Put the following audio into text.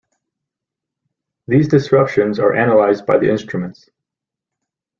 These disruptions are analyzed by the instruments.